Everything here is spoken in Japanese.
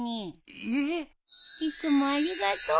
いつもありがとう。